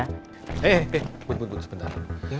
hei bud bud sebentar